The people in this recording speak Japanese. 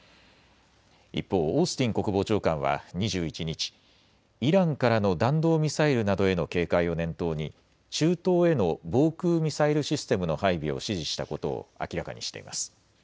一方、オースティン国防長官は２１日、イランからの弾道ミサイルなどへの警戒を念頭に中東への防空ミサイルシステムの配備を指示したことを明らかにしています。